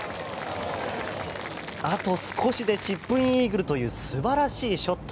あと少しでチップインイーグルという素晴らしいショット。